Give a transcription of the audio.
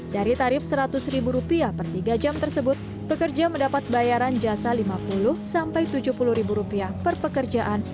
dari tarif rp seratus per tiga jam tersebut pekerja mendapat bayaran jasa lima puluh sampai rp tujuh puluh ribu rupiah per pekerjaan